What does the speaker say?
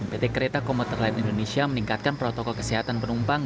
pt kereta komuter lain indonesia meningkatkan protokol kesehatan penumpang